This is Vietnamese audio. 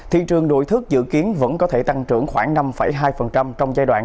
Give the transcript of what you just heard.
thị trường nội thức dự kiến vẫn có thể tăng trưởng khoảng năm hai trong giai đoạn